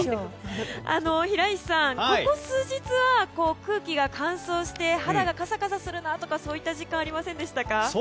平石さん、ここ数日は空気が乾燥して肌がカサカサするなとかそういった実感ありませんか。